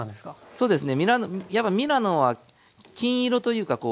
そうですね。